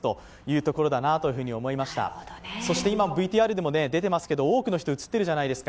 今も出ていますけど、多くの人が映っているじゃないですか。